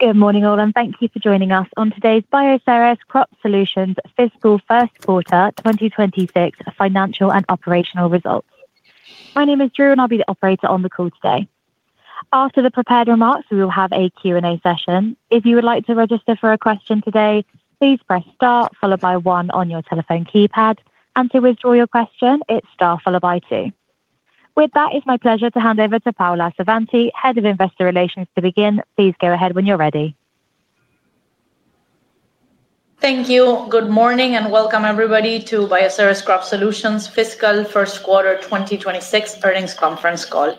Good morning, all, and thank you for joining us on today's Bioceres Crop Solutions Fiscal First Quarter 2026 Financial and Operational Results. My name is Drew, and I'll be the operator on the call today. After the prepared remarks, we will have a Q&A session. If you would like to register for a question today, please press star, followed by one on your telephone keypad, and to withdraw your question, its star, followed by two. With that, it's my pleasure to hand over to Paula Savanti, Head of Investor Relations, to begin. Please go ahead when you're ready. Thank you. Good morning, and welcome, everybody, to Bioceres Crop Solutions Fiscal First Quarter 2026 Earnings Conference Call.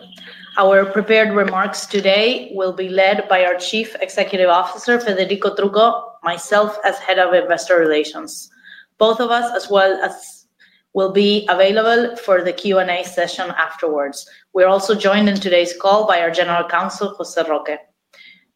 Our prepared remarks today will be led by our Chief Executive Officer, Federico Trucco, myself as Head of Investor Relations. Both of us, as well, will be available for the Q&A session afterwards. We're also joined in today's call by our General Counsel, José Roque.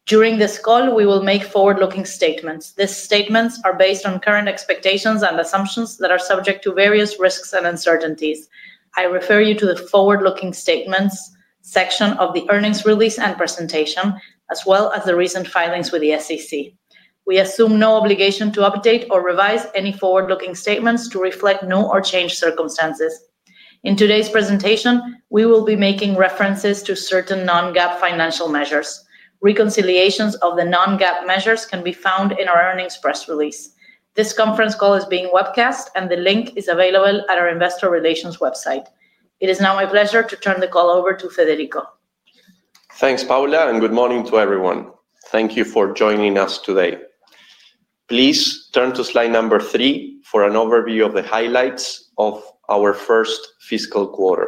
During this call, we will make forward-looking statements. These statements are based on current expectations and assumptions that are subject to various risks and uncertainties. I refer you to the Forward-Looking Statements section of the earnings release and presentation, as well as the recent filings with the SEC. We assume no obligation to update or revise any forward-looking statements to reflect new or changed circumstances. In today's presentation, we will be making references to certain Non-GAAP financial measures. Reconciliations of the Non-GAAP measures can be found in our earnings press release. This conference call is being webcast, and the link is available at our Investor Relations website. It is now my pleasure to turn the call over to Federico. Thanks, Paula, and good morning to everyone. Thank you for joining us today. Please turn to slide number three for an overview of the highlights of our first fiscal quarter.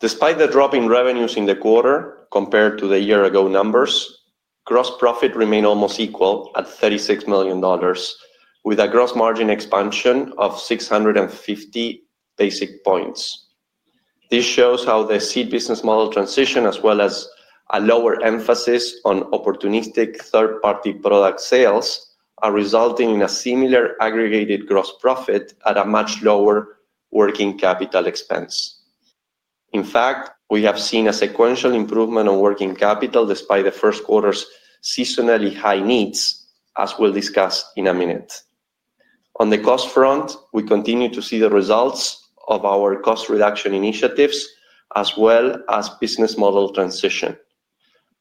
Despite the drop in revenues in the quarter compared to the year-ago numbers, gross profit remained almost equal at $36 million, with a gross margin expansion of 650 basis points. This shows how the seed business model transition, as well as a lower emphasis on opportunistic third-party product sales, are resulting in a similar aggregated gross profit at a much lower working capital expense. In fact, we have seen a sequential improvement in working capital despite the first quarter's seasonally high needs, as we'll discuss in a minute. On the cost front, we continue to see the results of our cost reduction initiatives, as well as business model transition,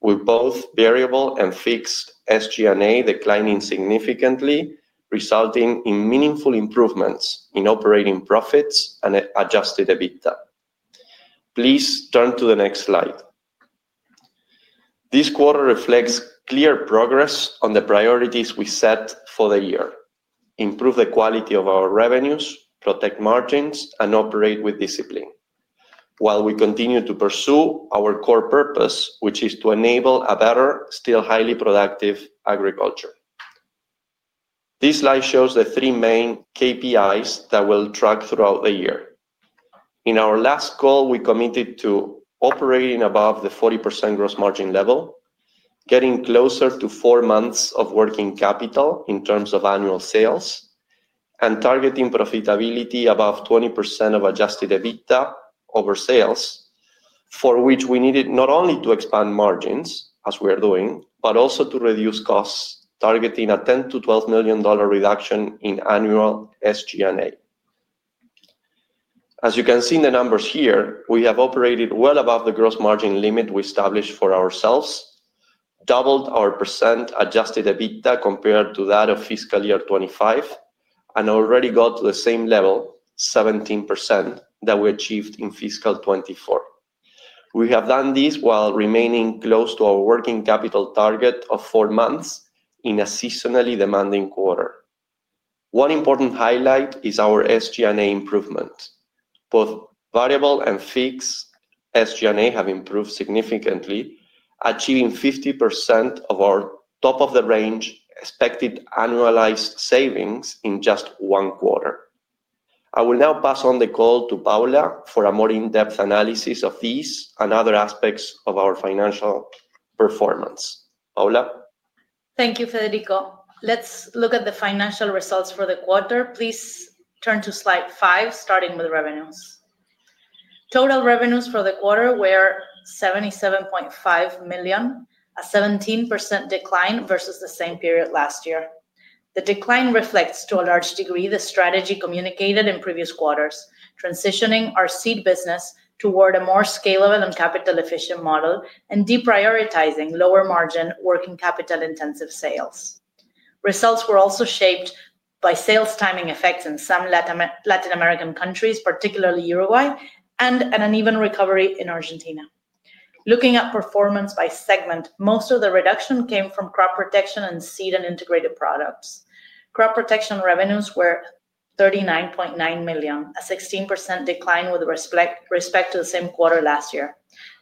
with both variable and fixed SG&A declining significantly, resulting in meaningful improvements in operating profits and adjusted EBITDA. Please turn to the next slide. This quarter reflects clear progress on the priorities we set for the year: improve the quality of our revenues, protect margins, and operate with discipline, while we continue to pursue our core purpose, which is to enable a better, still highly productive agriculture. This slide shows the three main KPIs that we'll track throughout the year. In our last call, we committed to operating above the 40% gross margin level, getting closer to four months of working capital in terms of annual sales, and targeting profitability above 20% of adjusted EBITDA over sales, for which we needed not only to expand margins, as we are doing, but also to reduce costs, targeting a $10-$12 million reduction in annual SG&A. As you can see in the numbers here, we have operated well above the gross margin limit we established for ourselves, doubled our percent adjusted EBITDA compared to that of fiscal year 2025, and already got to the same level, 17%, that we achieved in fiscal 2024. We have done this while remaining close to our working capital target of four months in a seasonally demanding quarter. One important highlight is our SG&A improvement. Both variable and fixed SG&A have improved significantly, achieving 50% of our top-of-the-range expected annualized savings in just one quarter. I will now pass on the call to Paula for a more in-depth analysis of these and other aspects of our financial performance. Paula? Thank you, Federico. Let's look at the financial results for the quarter. Please turn to slide 5, starting with revenues. Total revenues for the quarter were $77.5 million, a 17% decline versus the same period last year. The decline reflects, to a large degree, the strategy communicated in previous quarters, transitioning our seed business toward a more scalable and capital-efficient model and deprioritizing lower-margin, working-capital-intensive sales. Results were also shaped by sales timing effects in some Latin American countries, particularly Uruguay, and an uneven recovery in Argentina. Looking at performance by segment, most of the reduction came from crop protection and seed and integrated products. Crop protection revenues were $39.9 million, a 16% decline with respect to the same quarter last year.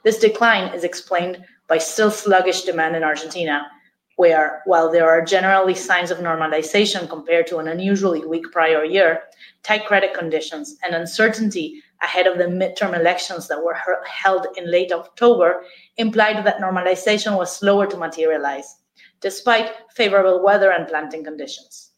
This decline is explained by still sluggish demand in Argentina, where, while there are generally signs of normalization compared to an unusually weak prior year, tight credit conditions and uncertainty ahead of the midterm elections that were held in late October implied that normalization was slower to materialize, despite favorable weather and planting conditions.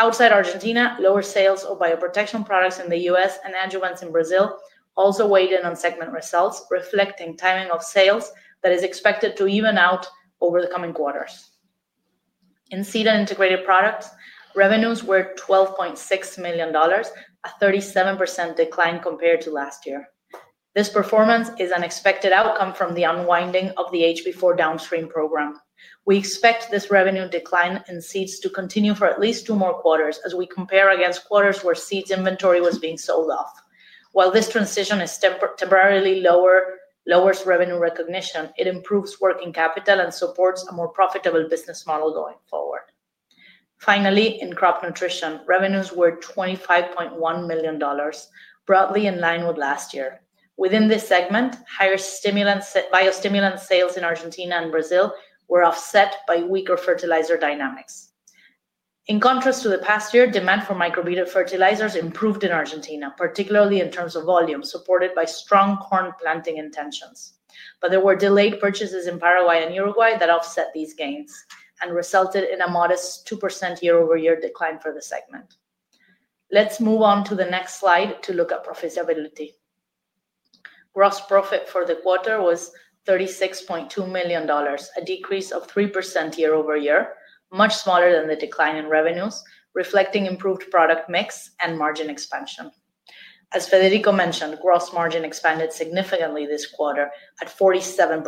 Outside Argentina, lower sales of bioprotection products in the U.S. and adjuvants in Brazil also weighed in on segment results, reflecting timing of sales that is expected to even out over the coming quarters. In seed and integrated products, revenues were $12.6 million, a 37% decline compared to last year. This performance is an expected outcome from the unwinding of the HB4 downstream program. We expect this revenue decline in seeds to continue for at least two more quarters as we compare against quarters where seeds inventory was being sold off. While this transition temporarily lowers revenue recognition, it improves working capital and supports a more profitable business model going forward. Finally, in crop nutrition, revenues were $25.1 million, broadly in line with last year. Within this segment, higher biostimulant sales in Argentina and Brazil were offset by weaker fertilizer dynamics. In contrast to the past year, demand for microbe-based fertilizers improved in Argentina, particularly in terms of volume, supported by strong corn planting intentions. There were delayed purchases in Paraguay and Uruguay that offset these gains and resulted in a modest 2% year-over-year decline for the segment. Let's move on to the next slide to look at profitability. Gross profit for the quarter was $36.2 million, a decrease of 3% year-over-year, much smaller than the decline in revenues, reflecting improved product mix and margin expansion. As Federico mentioned, gross margin expanded significantly this quarter at 47%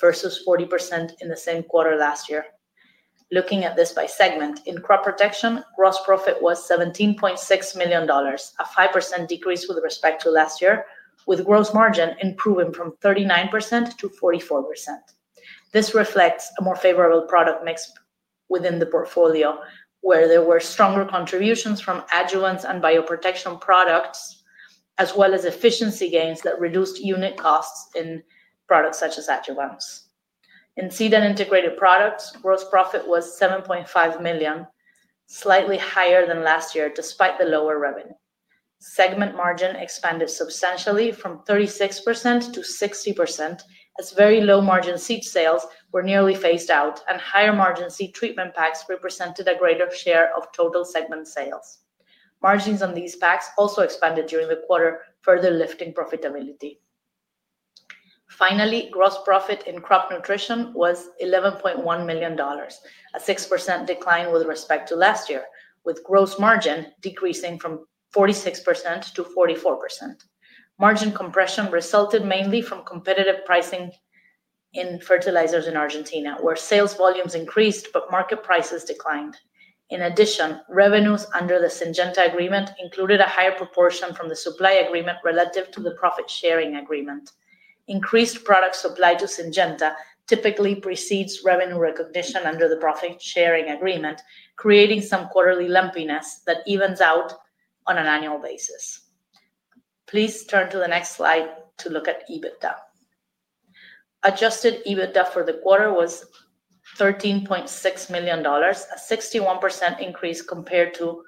versus 40% in the same quarter last year. Looking at this by segment, in crop protection, gross profit was $17.6 million, a 5% decrease with respect to last year, with gross margin improving from 39% to 44%. This reflects a more favorable product mix within the portfolio, where there were stronger contributions from adjuvants and bioprotection products, as well as efficiency gains that reduced unit costs in products such as adjuvants. In seed and integrated products, gross profit was $7.5 million, slightly higher than last year despite the lower revenue. Segment margin expanded substantially from 36% to 60% as very low-margin seed sales were nearly phased out, and higher-margin seed treatment packs represented a greater share of total segment sales. Margins on these packs also expanded during the quarter, further lifting profitability. Finally, gross profit in crop nutrition was $11.1 million, a 6% decline with respect to last year, with gross margin decreasing from 46% to 44%. Margin compression resulted mainly from competitive pricing in fertilizers in Argentina, where sales volumes increased but market prices declined. In addition, revenues under the Syngenta agreement included a higher proportion from the supply agreement relative to the profit-sharing agreement. Increased product supply to Syngenta typically precedes revenue recognition under the profit-sharing agreement, creating some quarterly lumpiness that evens out on an annual basis. Please turn to the next slide to look at EBITDA. Adjusted EBITDA for the quarter was $13.6 million, a 61% increase compared to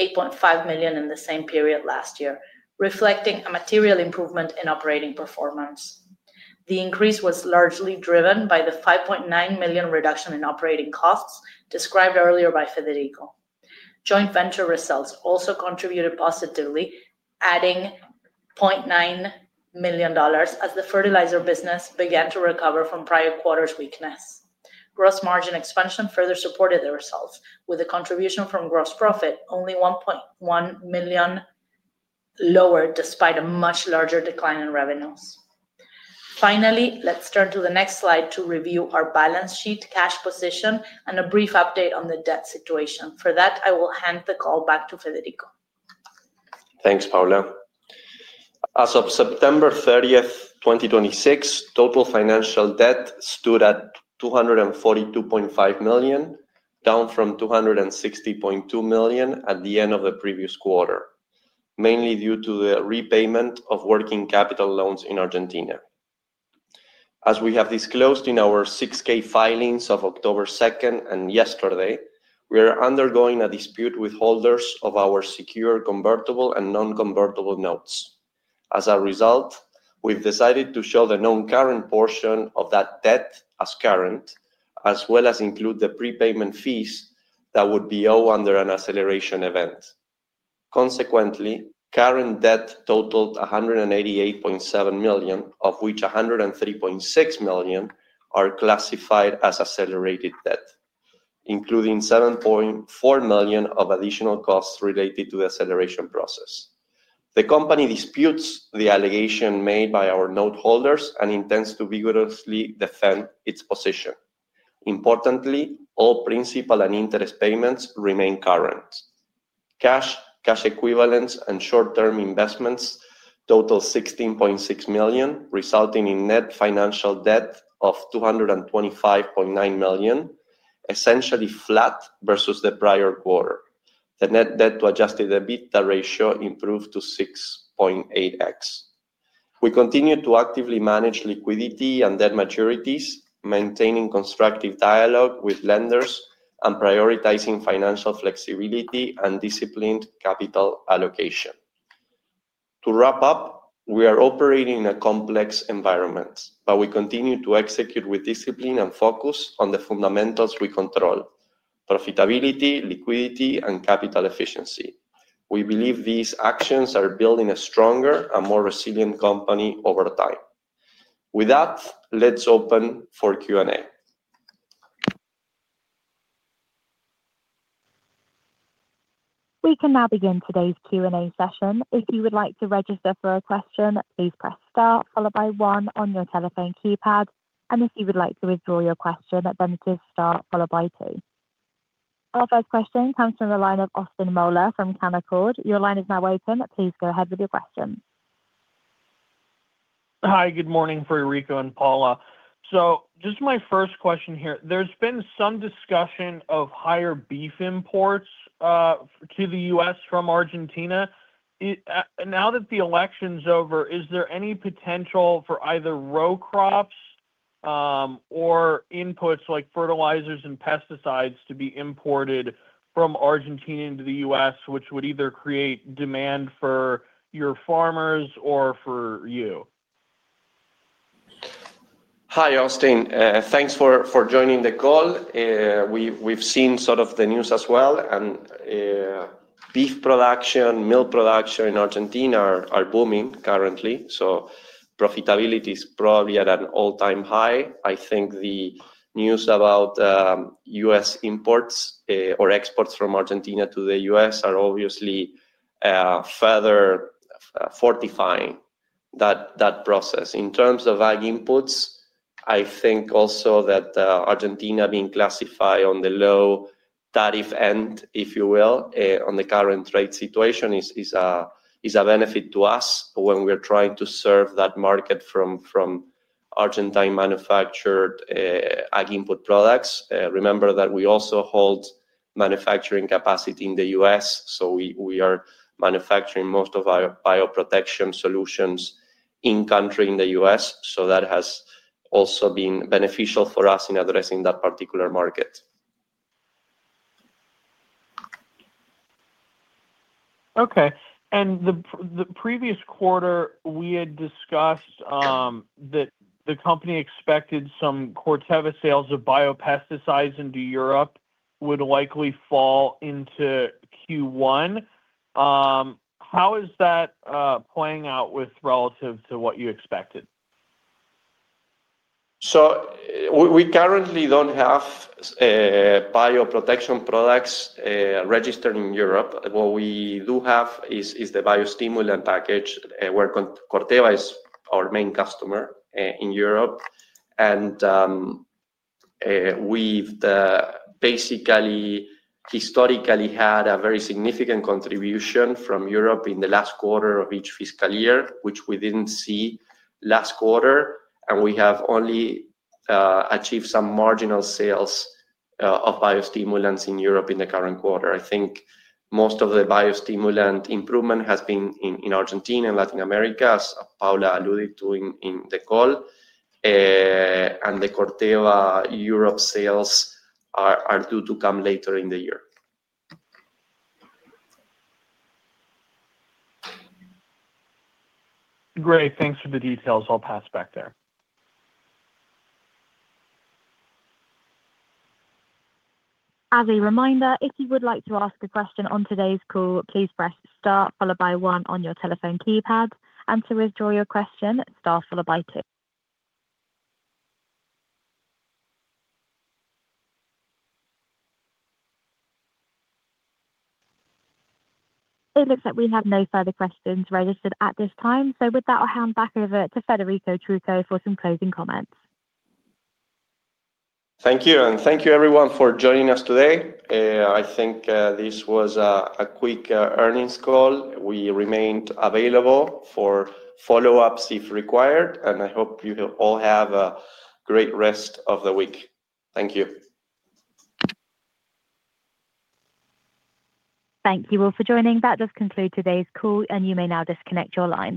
$8.5 million in the same period last year, reflecting a material improvement in operating performance. The increase was largely driven by the $5.9 million reduction in operating costs described earlier by Federico. Joint venture results also contributed positively, adding $0.9 million as the fertilizer business began to recover from prior quarter's weakness. Gross margin expansion further supported the results, with a contribution from gross profit only $1.1 million lower despite a much larger decline in revenues. Finally, let's turn to the next slide to review our balance sheet cash position and a brief update on the debt situation. For that, I will hand the call back to Federico. Thanks, Paula. As of September 30, 2026, total financial debt stood at $242.5 million, down from $260.2 million at the end of the previous quarter, mainly due to the repayment of working capital loans in Argentina. As we have disclosed in our 6-K filings of October 2 and yesterday, we are undergoing a dispute with holders of our secured convertible and non-convertible notes. As a result, we've decided to show the known current portion of that debt as current, as well as include the prepayment fees that would be owed under an acceleration event. Consequently, current debt totaled $188.7 million, of which $103.6 million are classified as accelerated debt, including $7.4 million of additional costs related to the acceleration process. The company disputes the allegation made by our noteholders and intends to vigorously defend its position. Importantly, all principal and interest payments remain current. Cash, cash equivalents, and short-term investments total $16.6 million, resulting in net financial debt of $225.9 million, essentially flat versus the prior quarter. The net debt-to-adjusted EBITDA ratio improved to 6.8x. We continue to actively manage liquidity and debt maturities, maintaining constructive dialogue with lenders and prioritizing financial flexibility and disciplined capital allocation. To wrap up, we are operating in a complex environment, but we continue to execute with discipline and focus on the fundamentals we control: profitability, liquidity, and capital efficiency. We believe these actions are building a stronger and more resilient company over time. With that, let's open for Q&A. We can now begin today's Q&A session. If you would like to register for a question, please press star, followed by one on your telephone keypad, and if you would like to withdraw your question, then press star, followed by two. Our first question comes from the line of Austin Moeller from Canaccord. Your line is now open. Please go ahead with your question. Hi, good morning for Enrique and Paula. So just my first question here. There's been some discussion of higher beef imports to the U.S. from Argentina. Now that the election's over, is there any potential for either row crops or inputs like fertilizers and pesticides to be imported from Argentina into the US, which would either create demand for your farmers or for you? Hi, Austin. Thanks for joining the call. We've seen sort of the news as well, and beef production, milk production in Argentina are booming currently. Profitability is probably at an all-time high. I think the news about U.S. imports or exports from Argentina to the U.S. are obviously further fortifying that process. In terms of ag inputs, I think also that Argentina being classified on the low tariff end, if you will, on the current trade situation is a benefit to us when we're trying to serve that market from Argentine-manufactured ag input products. Remember that we also hold manufacturing capacity in the U.S., so we are manufacturing most of our bioprotection solutions in-country in the U.S. That has also been beneficial for us in addressing that particular market. Okay. The previous quarter, we had discussed that the company expected some Corteva sales of biopesticides into Europe would likely fall into Q1. How is that playing out relative to what you expected? We currently don't have bioprotection products registered in Europe. What we do have is the biostimulant package, where Corteva is our main customer in Europe. We've basically historically had a very significant contribution from Europe in the last quarter of each fiscal year, which we didn't see last quarter. We have only achieved some marginal sales of biostimulants in Europe in the current quarter. I think most of the biostimulant improvement has been in Argentina and Latin America, as Paula alluded to in the call. The Corteva Europe sales are due to come later in the year. Great. Thanks for the details. I'll pass back there. As a reminder, if you would like to ask a question on today's call, please press star, followed by one on your telephone keypad, and to withdraw your question, press star, followed by two. It looks like we have no further questions registered at this time. With that, I'll hand back over to Federico Trucco, for some closing comments. Thank you. Thank you, everyone, for joining us today. I think this was a quick earnings call. We remain available for follow-ups if required, and I hope you all have a great rest of the week. Thank you. Thank you all for joining. That does conclude today's call, and you may now disconnect your line.